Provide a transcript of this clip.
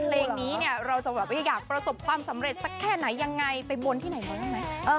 เพลงนี้เราจะอยากประสบความสำเร็จสักแค่ไหนยังไงไปบนที่ไหนบอกได้ไหม